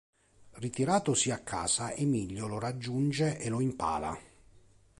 Ritiratosi a casa, Emilio lo raggiunge e lo impala.